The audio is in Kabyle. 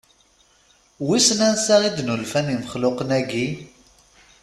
Wissen ansa i d-nulfan imexluqen-aki?